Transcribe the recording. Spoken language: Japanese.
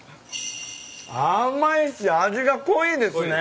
甘いし味が濃いですね。